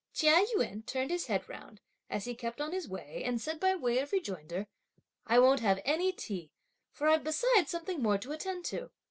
Chia Yün turned his head round, as he kept on his way, and said by way of rejoinder: "I won't have any tea; for I've besides something more to attend to!"